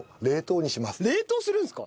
冷凍します。